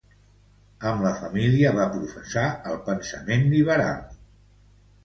Amb la família va professar el pensament liberal.